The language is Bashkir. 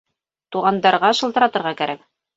Туғандарға шылтыратырға кәрәк